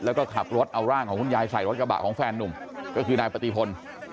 แล้วก็ขับรถเอาร่างของคุณยายใส่รถกระบะของแฟนนุ่มก็คือนายปฏิพล